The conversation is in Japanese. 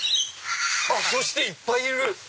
そしていっぱいいる！